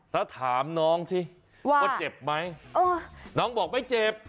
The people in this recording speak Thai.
แล้วถามน้องสิว่าเจ็บไหมน้องบอกไม่เจ็บ